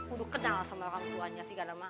udah kenal sama rambuannya